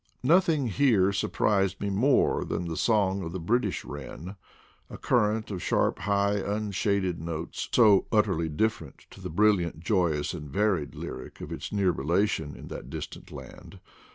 Nothing here surprised me more than the song of the British wren — a current of sharp high unshaded notes, so utterly different to the brilliant joyous and varied lyric of his near relation in that distant land.